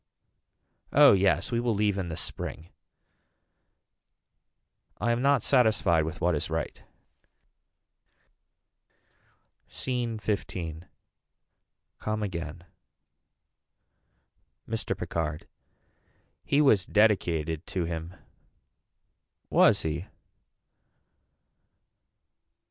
Oh yes we will leave in the spring. I am not satisfied with what is right. SCENE XV. Come again. Mr. Picard. He was dedicated to him. Was he.